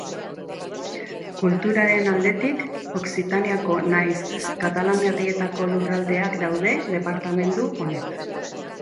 Kulturaren aldetik, Okzitaniako nahiz Katalan Herrietako lurraldeak daude departamendu honetan.